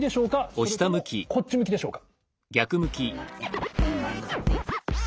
それともこっち向きでしょうか？